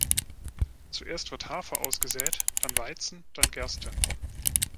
Zuerst wird Hafer ausgesät, dann Weizen, dann Gerste.